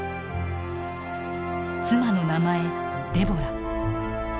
妻の名前デボラ。